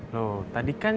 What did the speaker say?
loh tadi kan